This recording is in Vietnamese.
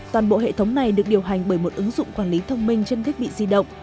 toàn bộ hệ thống này được điều hành bởi một ứng dụng quản lý thông minh trên thiết bị di động